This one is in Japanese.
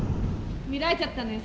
見られちゃったのよ